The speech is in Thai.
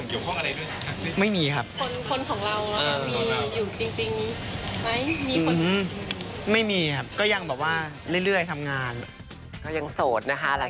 อยู่เดียวว่าไม่มีส่วนเกี่ยวของอะไรด้วยสิครับ